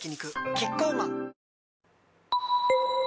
キッコーマン